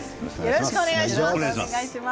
よろしくお願いします。